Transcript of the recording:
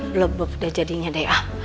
blebek udah jadinya deh ah